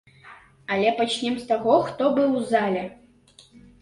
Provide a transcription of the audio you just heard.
Але пачнём з таго, хто быў у зале.